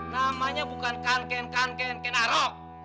namanya bukan kan ken kan ken kenaro